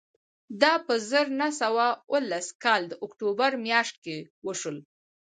دا په زر نه سوه اوولس کال د اکتوبر میاشت کې وشول